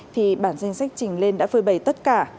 thì bản danh sách trình lên đã phơi bày tất cả